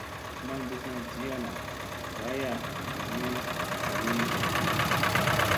Mal mbuslna dii ana baaya nam ni u agi gaw may.